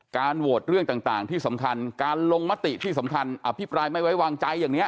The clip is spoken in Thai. โหวตเรื่องต่างที่สำคัญการลงมติที่สำคัญอภิปรายไม่ไว้วางใจอย่างนี้